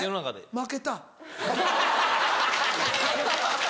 負けた。